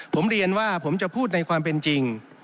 ผมเรียนว่าผมจะพูดในความเป็นจริง